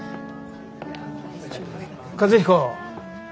和彦